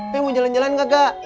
mau jalan jalan gak gak